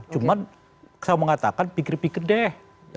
cuma saya mau ngatakan pikir pikir deh